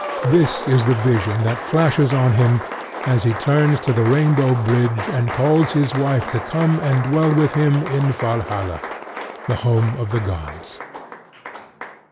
This is the vision that flashes on him as he turns to the rainbow bridge and calls his wife to come and dwell with him in Valhalla, the home of the gods.